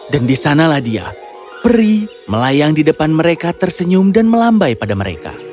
dan disanalah dia pria melayang di depan mereka tersenyum dan melambai pada mereka